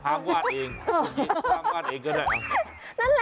ช้างวาดเองช้างวาดเองก็ได้